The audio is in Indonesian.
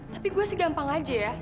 tapi gue sih gampang aja ya